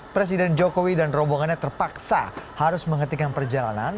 presiden jokowi dan rombongannya terpaksa harus menghentikan perjalanan